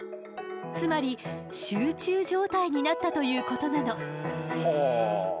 つまり集中状態になったということなの。